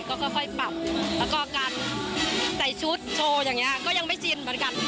ก็ค่อยปรับแล้วก็การใส่ชุดโชว์อย่างนี้ก็ยังไม่จินเหมือนกัน